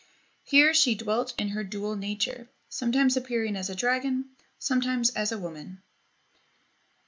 Here she dwelt in her dual nature— sometimes appearing as a dragon, sometimes as a woman.